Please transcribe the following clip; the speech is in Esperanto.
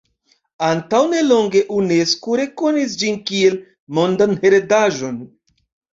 Antaŭ nelonge Unesko rekonis ĝin kiel Mondan Heredaĵon.